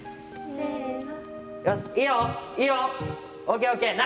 せの。